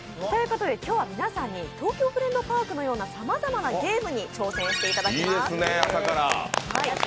今日は皆さんに「東京フレンドパーク」のようなさまざまなゲームに挑戦していただきます。